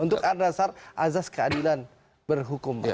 untuk dasar azas keadilan berhukum